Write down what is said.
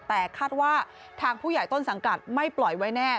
แต่คาดว่าทางผู้ใหญ่ต้นสังกัดไม่ปล่อยไว้แน่